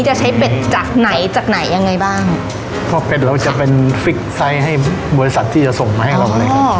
จะใช้เป็ดจากไหนจากไหนยังไงบ้างเพราะเป็ดเราจะเป็นฟิกไซส์ให้บริษัทที่จะส่งมาให้เราอะไรอย่างเงี้